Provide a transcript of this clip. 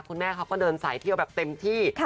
คุณแม่เขาก็เดินสายเที่ยวแบบเต็มที่